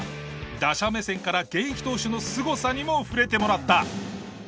打者目線から現役投手のすごさにも触れてもらった。